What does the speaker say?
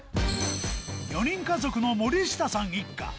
４人家族の森下さん一家。